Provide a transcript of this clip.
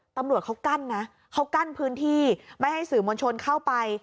ตำรวจเขากั้นนะเขากั้นพื้นที่ไม่ให้สื่อมวลชนเข้าไป